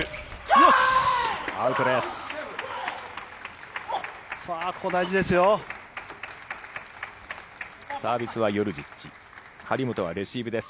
よし、アウトです。